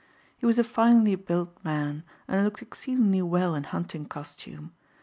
He was a finely built man and looked exceedingly well in hunting costume.